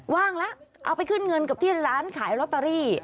ว่างแล้วเอาไปขึ้นเงินกับที่ร้านขายลอตเตอรี่